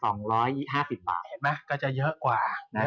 เห็นไหมก็จะเยอะกว่า